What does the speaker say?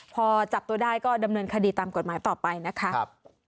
พอจับตัวได้ก็ดำเนินคดีตามกฎหมายต่อไปนะคะ